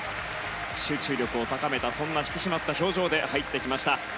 集中力を高めた引き締まった表情で入ってきました。